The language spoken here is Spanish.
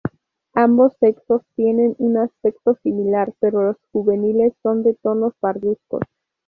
Ambos sexos tienen un aspecto similar, pero los juveniles son de tonos parduzcos.